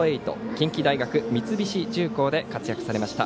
近畿大学、三菱重工で活躍されました。